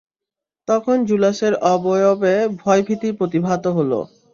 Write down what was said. তখন জুলাসের অবয়বে ভয়-ভীতি প্রতিভাত হল।